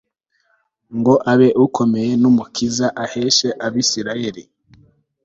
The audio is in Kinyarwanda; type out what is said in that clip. ngo abe ukomeye n umukiza aheshe abisirayeli